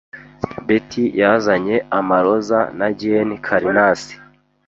Betty yazanye amaroza na Jane karnasi.